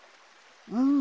うん。